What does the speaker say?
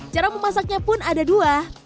cara memasaknya pun ada dua